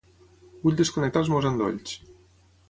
Vull desconnectar els meus endolls.